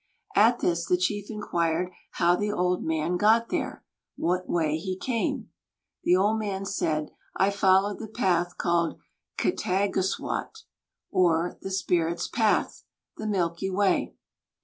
At this, the chief inquired how the old man got there, what way he came. The old man said: "I followed the path called 'Ketagūswōt,' or 'the Spirits' Path' (the Milky Way)."